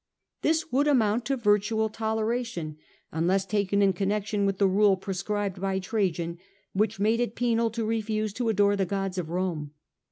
This would amount to virtual toleration, unless taken in connexion with the rule pre scribed by Trajan which made it penal to refuse to adore the gods of Rome.